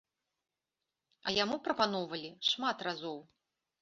А яму прапаноўвалі шмат разоў.